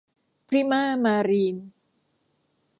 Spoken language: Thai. พริมา มารีน